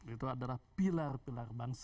itu adalah pilar pilar bangsa